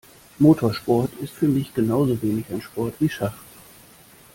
Motorsport ist für mich genauso wenig ein Sport wie Schach.